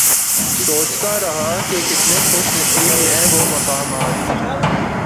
سوچتا رہا کہ کتنے خوش نصیب ہیں وہ مقامات